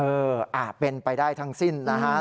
เออเป็นไปได้ทั้งสิ้นนะฮะ